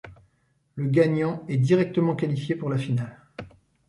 Le gagnant est directement qualifié pour la finale.